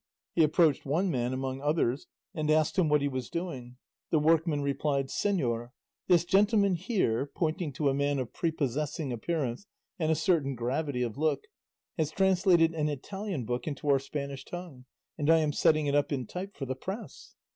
He approached one man, among others, and asked him what he was doing. The workman replied, "Señor, this gentleman here" (pointing to a man of prepossessing appearance and a certain gravity of look) "has translated an Italian book into our Spanish tongue, and I am setting it up in type for the press."